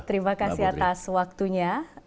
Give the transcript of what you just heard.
terima kasih atas waktunya